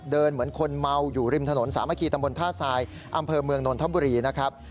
เหมือนคนเมาอยู่ริมถนนสามัคคีตำบลท่าทรายอำเภอเมืองนนทบุรีนะครับ